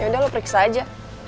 yaudah lo periksa aja